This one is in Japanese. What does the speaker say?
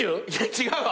違うわ！